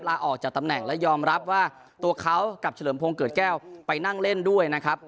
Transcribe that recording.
ลาออกจากตำแหน่งและยอมรับว่าตัวเขากับเฉลิมพงศ์เกิดแก้วไปนั่งเล่นด้วยนะครับ